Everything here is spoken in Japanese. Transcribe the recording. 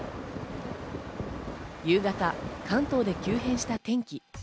夕方、関東で急変した天気。